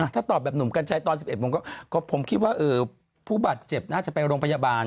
ถ้าตอบแบบหนุ่มกัญชัยตอน๑๑โมงผมคิดว่าผู้บาดเจ็บน่าจะไปโรงพยาบาล